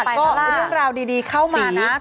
ต้องหาเวลาไปพระล่าก็ร่วมราวดีเข้ามานะ